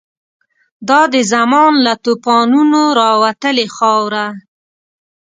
دا د زمان له توپانونو راوتلې خاوره